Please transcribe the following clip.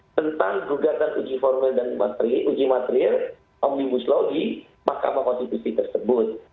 tentang gugatan uji formil dan uji materi omnibus law di mahkamah konstitusi tersebut